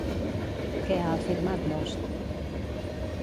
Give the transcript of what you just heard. Què ha afirmat, Bosch?